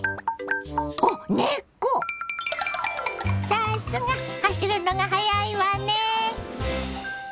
さすが走るのが速いわね。